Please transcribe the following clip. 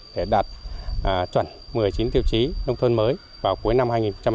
để đạt chuẩn một mươi chín tiêu chí nông thôn mới vào cuối năm hai nghìn một mươi tám